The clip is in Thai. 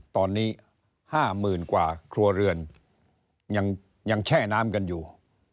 ตอนนี้๕๐๐๐กว่าครัวเรือนยังแช่น้ำกันอยู่